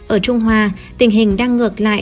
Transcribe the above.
ở trung hoa tình hình đang ngược lại